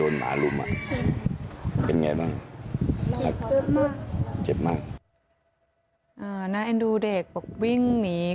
อยู่มันก็วิ่งเข้ามาหาเราเลยใช่ไหม